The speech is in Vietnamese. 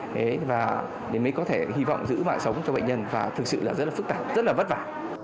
thế và mới có thể hy vọng giữ mạng sống cho bệnh nhân và thực sự là rất là phức tạp rất là vất vả